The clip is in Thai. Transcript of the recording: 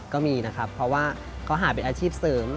ก็มีนะครับเพราะว่าเขาหาเป็นอาชีพเสริม